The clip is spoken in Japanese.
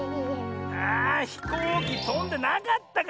あひこうきとんでなかったか！